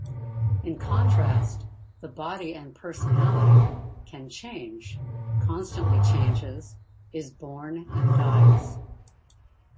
In contrast, the body and personality, can change, constantly changes, is born and dies.